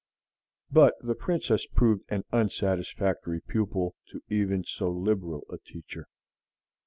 But the Princess proved an unsatisfactory pupil to even so liberal a teacher.